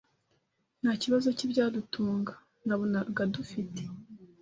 Nta kibazo k’ibyadutunga nabonaga dufite